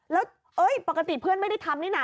แล้วปกติเพื่อนไม่ได้ทำนี่นะ